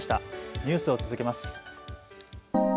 ニュースを続けます。